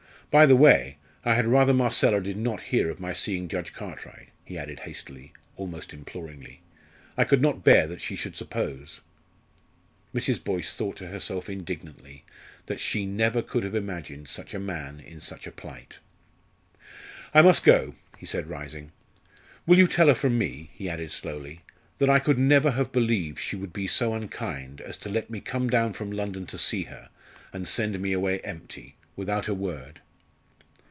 By the way, I had rather Marcella did not hear of my seeing Judge Cartwright," he added hastily almost imploringly. "I could not bear that she should suppose " Mrs. Boyce thought to herself indignantly that she never could have imagined such a man in such a plight. "I must go," he said, rising. "Will you tell her from me," he added slowly, "that I could never have believed she would be so unkind as to let me come down from London to see her, and send me away empty without a word?"